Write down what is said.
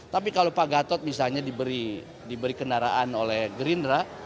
tapi kalau pak gatot misalnya diberi kendaraan oleh gerindra